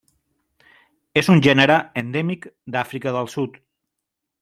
És un gènere endèmic d'Àfrica del Sud.